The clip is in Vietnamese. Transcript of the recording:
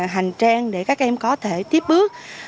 hành trang để các em có thể tiếp bước